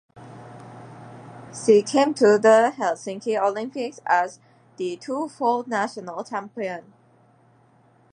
She came to the Helsinki Olympics as the twofold national champion.